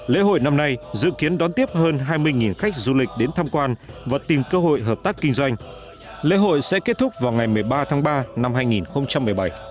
lễ hội năm nay dự kiến đón tiếp hơn hai mươi khách du lịch đến tham quan và tìm cơ hội hợp tác kinh doanh lễ hội sẽ kết thúc vào ngày một mươi ba tháng ba năm hai nghìn một mươi bảy